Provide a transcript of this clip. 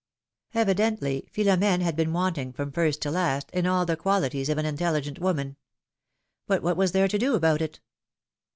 Evidently Philo m^ne had been wanting from first to last, in all the quali ties of an intelligent woman. But what was there to do about it?